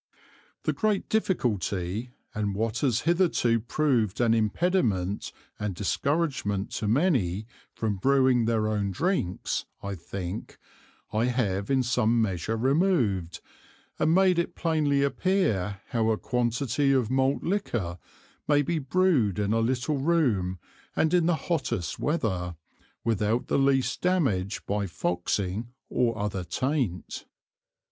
The great Difficulty and what has hitherto proved an Impediment and Discouragement to many from Brewing their own Drinks, I think, I have in some measure removed, and made it plainly appear how a Quantity of Malt Liquor may be Brewed in a little Room and in the hottest Weather, without the least Damage by Foxing or other Taint.